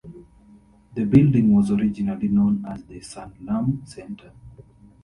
The building was originally known as the Sanlam Centre.